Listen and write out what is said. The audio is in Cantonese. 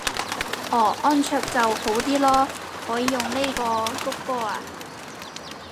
哦安卓就好啲囉，可以用呢個穀歌啊